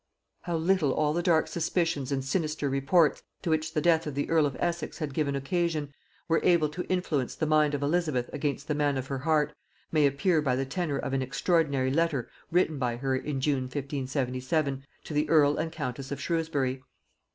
How little all the dark suspicions and sinister reports to which the death of the earl of Essex had given occasion, were able to influence the mind of Elizabeth against the man of her heart, may appear by the tenor of an extraordinary letter written by her in June 1577 to the earl and countess of Shrewsbury.